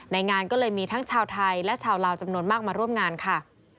งานก็เลยมีทั้งชาวไทยและชาวลาวจำนวนมากมาร่วมงานค่ะ